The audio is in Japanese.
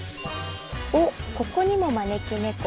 ここにも招き猫。